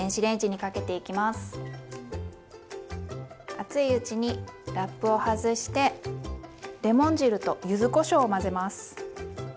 熱いうちにラップを外してレモン汁とゆずこしょうを混ぜます。